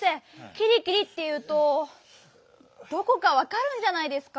「きりきり」っていうとどこかわかるんじゃないですか？